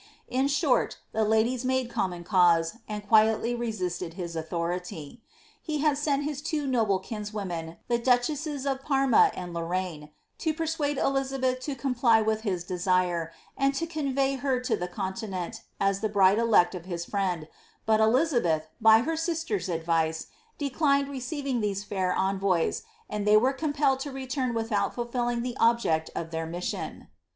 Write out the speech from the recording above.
In short, the ladies made common cause, and quietly resisted his authority.' He had sent his two noble kinswomen, the duchesses of Parma and Lorraine, to persuade Elizabeth to comply with his desire, and to convey her to the continent, as the bride elect of his friend, but Elizabeth, by her sis ter's advice, declined receiving these fair envoys, and they were com pelled to return without fulfilling the object of their mission.